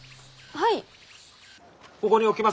はい。